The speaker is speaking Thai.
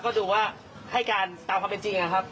ก็ดูว่าให้การตามความเป็นจริงนะครับ